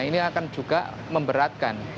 ini akan juga memberatkan